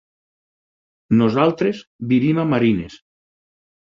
Nosaltres vivim a Marines.